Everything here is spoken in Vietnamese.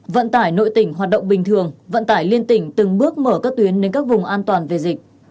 vận tải nội tỉnh hoạt động bình thường vận tải liên tỉnh từng bước mở các tuyến đến các vùng an toàn về dịch